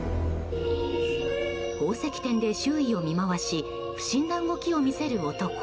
宝石店で周囲を見回し不審な動きを見せる男。